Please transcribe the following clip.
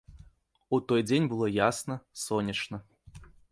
У той дзень было ясна, сонечна.